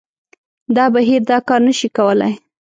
دا بهیر دا کار نه شي کولای